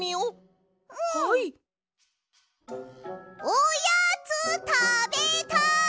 おやつたべたい！